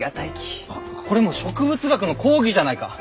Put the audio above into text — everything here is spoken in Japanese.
これもう植物学の講義じゃないか！